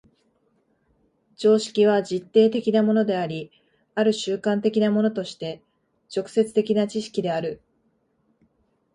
常識は実定的なものであり、或る慣習的なものとして直接的な知識である。